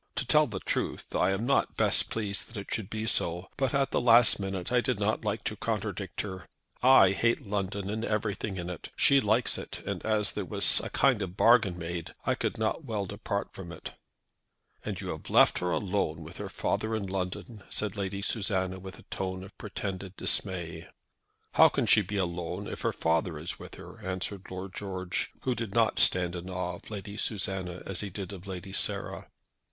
To tell the truth I am not best pleased that it should be so; but at the last moment I did not like to contradict her. I hate London and everything in it. She likes it, and as there was a kind of bargain made I could not well depart from it." "And you have left her alone with her father in London," said Lady Susanna, with a tone of pretended dismay. "How can she be alone if her father is with her," answered Lord George, who did not stand in awe of Lady Susanna as he did of Lady Sarah.